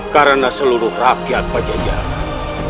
karena seluruh rakyat pejajaran